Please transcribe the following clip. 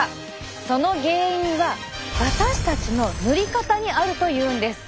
その原因は私たちの塗り方にあるというんです。